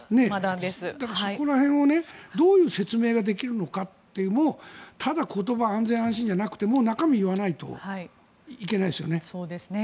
そこら辺をどういう説明ができるのかをただ言葉で安全安心じゃなくて中身を言わないといけないですよね。